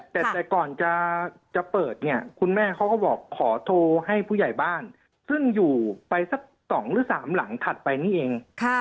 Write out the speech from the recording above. แต่ก่อนจะเปิดเนี่ยคุณแม่เขาก็บอกขอโทรให้ผู้ใหญ่บ้านซึ่งอยู่ไปสัก๒หรือ๓หลังถัดไปนี่เอง